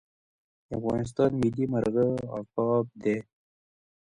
د افغانستان ملي مرغه عقاب دی